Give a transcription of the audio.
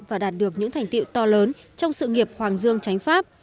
và đạt được những thành tiệu to lớn trong sự nghiệp hoàng dương tránh pháp